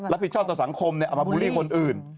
ผิดต่อสังคมเอามาบูลลี่คนอื่น